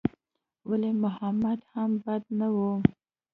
ولي محمد هم بد نه و.